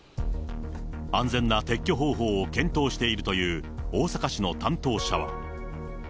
安全な撤去方法を検討しているという大阪市の担当者は。